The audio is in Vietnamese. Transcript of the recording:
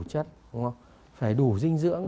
chất phải đủ dinh dưỡng